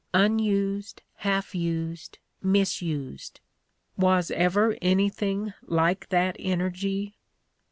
Unused, half used, misused — ^was ever anything like that energy?